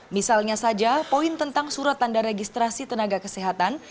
misalnya saja poin tentang surat tanda registrasi tenaga kesehatan